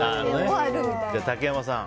竹山さん。